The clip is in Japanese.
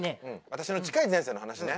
私の近い前世の話ね。